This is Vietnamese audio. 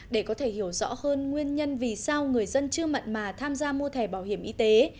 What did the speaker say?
để có thể hiểu rõ hơn nguyên nhân vì sao người dân chưa mặn mà tham gia mua thẻ bảo hiểm y tế